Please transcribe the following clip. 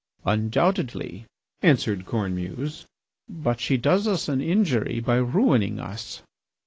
"Undoubtedly," answered Cornemuse, "but she does us an injury by ruining us."